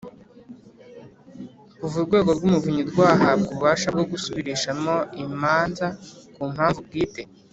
Kuva Urwego rw’ Umuvunyi rwahabwa ububasha bwo gusubirishamo imanza ku mpamvu bwite